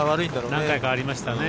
何回かありましたね